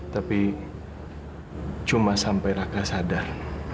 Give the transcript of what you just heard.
tapi cuma sampai raka sadar